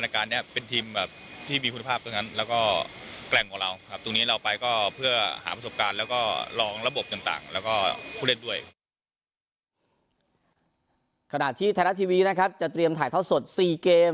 ขณะที่ไทยรัฐทีวีนะครับจะเตรียมถ่ายทอดสด๔เกม